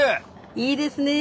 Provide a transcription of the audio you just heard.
いいですねえ。